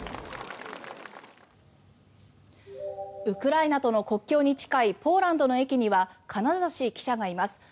ウクライナとの国境に近いポーランドの駅には金指記者がいます。